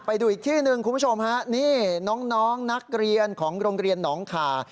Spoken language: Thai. ไปดูอีกที่หนึ่งคุณผู้ชมฮะนี่น้องนักเรียนของโรงเรียนหนองคา